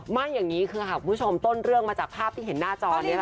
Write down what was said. ไม่อย่างนี้คือค่ะคุณผู้ชมต้นเรื่องมาจากภาพที่เห็นหน้าจอนี้